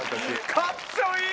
かっちょいい！